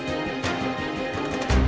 dia sudah siap